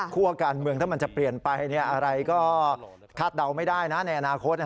การเมืองถ้ามันจะเปลี่ยนไปอะไรก็คาดเดาไม่ได้นะในอนาคต